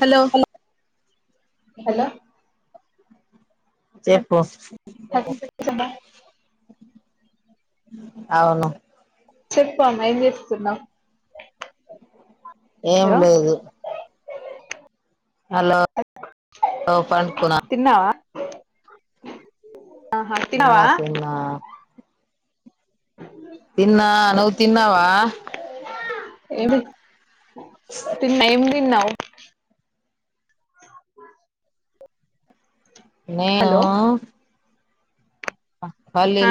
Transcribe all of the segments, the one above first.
Hello hello చెప్ అమ అవును చెప్ప అమ్మ ఏం చేస్తున్నావ్ ఏం హలో లేదు హలో హ పడుకునా తిన్నావా ఆహా తిన్నావా తిన్నా తిన్నా తిన్నా నువ్వు తిన్నావా ఏ తిన్నా ఏం తిన్నావు హలో నేనూ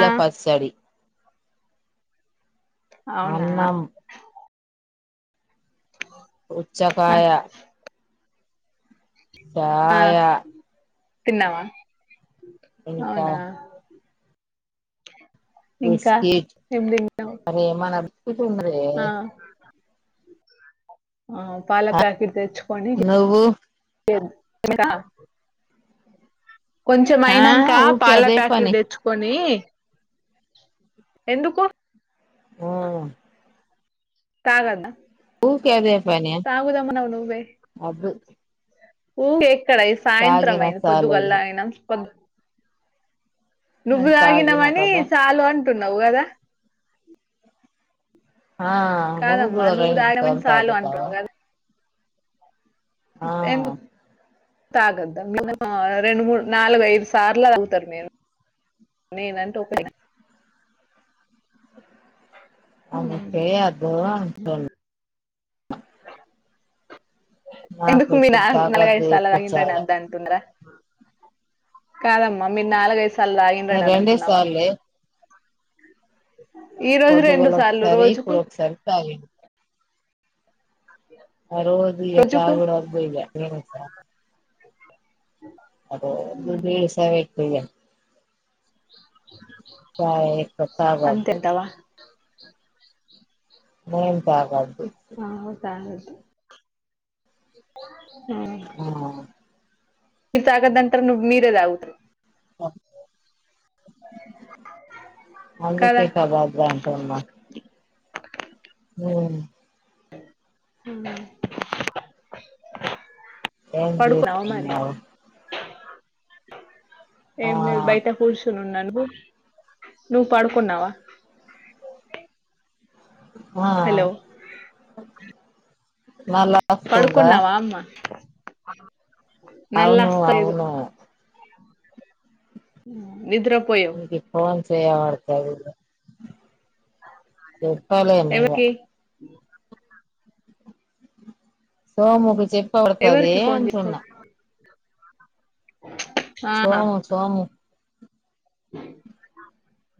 ఆ పచ్చడి అవునా అన్నం ఆ ఉచ్చకాయ ఆ తిన్నావా ఇంకా అవునా ఇంకా బిస్కెట్ ఏం తిన్నావ్ అని ఎమనా బిస్ట్ంది రే ఆ ఆ పాల ప్యాకెట్ తెచ్చుకొని నువ్వు ఎమెరా కొంచెం ఆ అయినంక ఊకే పాల అదే ప్యాకెట్ పని తెచ్చుకొని ఎందుకు ఉ తాగనా ఊకే అదే పని తాగుదము అన్నావు నువ్వే అద్దు ఊ ఎక్కడ సాయంత్రం తాగిన అయింది సాలేగిన పొద్దుగుల్లా అయినా పొద్ నువ్వు నేను తాగిన తాగినవని కదా చాలు అంటున్నావు కదా ఆ నువ్వు కాదమ్మా కూడా త తాగినవని సాలు తాగుతావా అంటున్నావు కదా ఆ ఎందుకు తాగద్దా మనం రెండు మూడు నాలుగు ఐదు సార్లు అడుగుతారు మీరు నేనంటూ ఒకడేనా అందుకే అద నాకు ఎందుకు మీ నా ఇప్పుడు నాలుగ తాగొద్దు ఐదు సాల్లు ఎక్కువ దాగిండరా అన చాయ వద్ద అంటున్నరా కాదమ్మా మీరు నాలుగు ఐదు సార్లు నేను తాగిండ్రణి అని రెండే అంటున్నావా సార్లే ఈ రోజు రెండు పొద్దుగుల సార్లు ఒకసారి రోజుకు ఇప్పుడు ఒకసారి తాగిండు ఆ రోజు ఇగ రోజుకు తాగుడు వద్దు ఇగ అంటే ఇది సావిత్రియా. చాయ్ ఎక్కువ అంతే తాగొద్దు అంటావా. నేను తాగాదు పోయి. అవును తాగదు ఉమ్. ఆ మీరు తాగొద్దంటరు నువ్ మీరే తాగుతారు. ఆహ్. అందుకే కదా అలా అంటున్నా. ఉమ్. ఉమ్. ఏం చేస్తున్నావు. ఆ ఏం లేదు బయట కూర్చుని ఉన్నాను. నువ్వు పడుకున్నావా. ఆహ్. హలో పడుకున్నావా అమ్మ. అవును నల్లాస్తలేదు. అవును వీనికి ఫోన్ చేయబడతది. చెప్పాలి ఏమో ఇగ. ఎవరికి సోముకు చెప్పబడతది ఎవరికి ఫోన్ అంటున్న. చేస్తావు సోము సోము.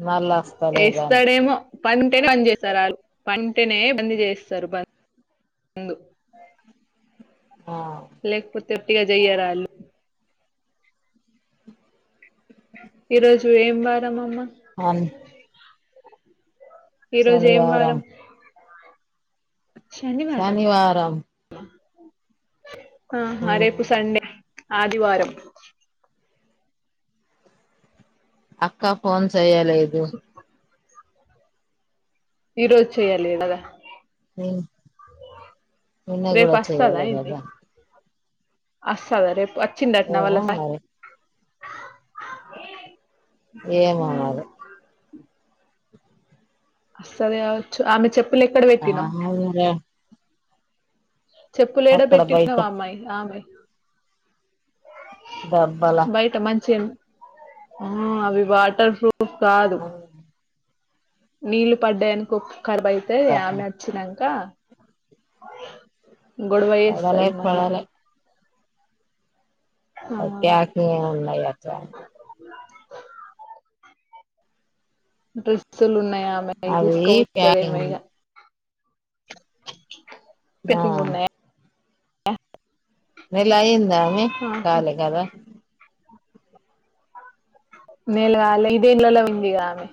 మళ్ళ వస్తలేదని ఏస్తాడేమో. పంటనే బంద్ చేస్తారు వాళ్ళు పంటనే బంద్ చేస్తారు బంద్. ముందు. ఆహ్. ఉట్టిగా చేయరాళ్లు. ఈరోజు ఏం వారం అమ్మ. అన్ ఈరోజు ఏం శనివారం వారం. శనివారం. ఆహ్ రేపు మ్మ్ సండే ఆదివారం. అక్క ఫోన్ చెయలేదు. ఈరోజు చేయ్యాలే కదా. ఉమ్ నిన్న కూడా చేయలేదు కదా. అస్తదా రేపు వచ్చింటంన్నా వాళ్ల ఏమో సార్. మరి ఏమో సార్ మరి. అస్తది కావచ్చు ఆమె చెప్పులు ఎక్కడ పెట్టినం. ఆ చెప్పులు ఏడ అక్కడ బయట పెట్టినవ్ అమ్మాయి ఆమెవి. డబ్బల బయట మంచిగ అవి ఆహ్ అవి వాటర్ ప్రూఫ్. కాదు. నీళ్లు పడ్డాయి అనుకో కరాబ్ అయితాయి డబ్బ ఆమె వచ్చినాంక. గొడవ పడలే చేస్తది మళ్ళా. పడలే ఆ అక్కయ్య అట్లనే ఉన్నాయి అట్లా. డ్రెస్లు ఉన్నాయి ఆమెవి అవి తీసుకపోతదేమో ప్యాకింగ్ ఇగ. ఆ పెటింగ్ ఉన్నాయా. నెలయిందామే ఆహా కాలే కదా. నెలకాలే ఇదే నెలలో పోయింది కదా ఆమె.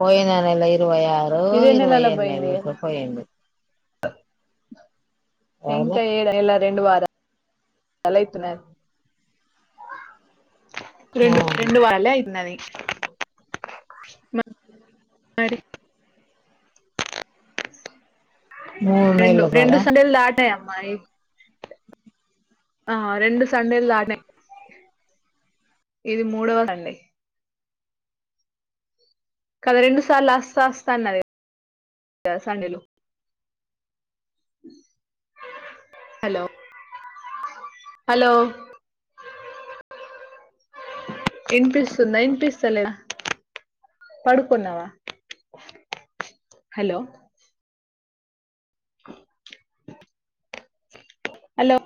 పోయిన నెల ఇరువై ఆరో ఇదే ఇరువై నెలలో ఎనిమిదో పోయింది కదా తీసుకుపోయిండు. ఇంకా ఏ రెండు వారాలయితున్నది రెండు అవును రెండు వారాలే అయితున్నది మరి మూడు రెండు నెలలు రెండు కదా సండేలు దాటాయి అమ్మ ఆ రెండు సండేలు దాటి ఇది మూడవ సండే కదా రెండు సార్లు అస్త అస్త అన్నది గా సండే లు హలో హలో ఇనిపిస్తుందా ఇనిపిస్తలేదా పడుకున్నావా హలో హలో